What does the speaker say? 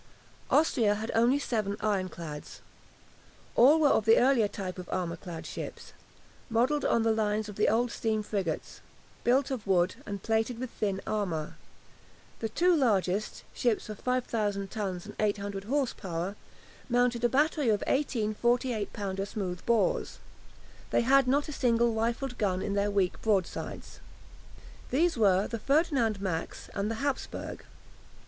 Austria had only seven ironclads. All were of the earlier type of armour clad ships, modelled on the lines of the old steam frigates, built of wood, and plated with thin armour. The two largest ships of 5000 tons and 800 horse power mounted a battery of eighteen 48 pounder smooth bores. They had not a single rifled gun in their weak broadsides. These were the "Ferdinand Max" and the "Hapsburg."